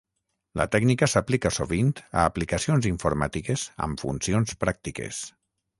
La tècnica s'aplica sovint a aplicacions informàtiques amb funcions pràctiques.